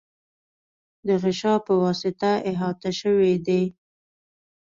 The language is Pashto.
د غشا په واسطه احاطه شوی دی.